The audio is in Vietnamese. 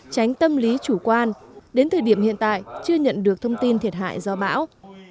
tránh tâm lý chủ quan đến thời điểm hiện tại chưa nhận được thông tin thiệt hại do bão